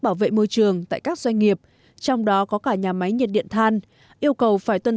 bảo vệ môi trường tại các doanh nghiệp trong đó có cả nhà máy nhiệt điện than yêu cầu phải tuân